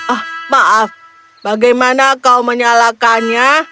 ah maaf bagaimana kau menyalakannya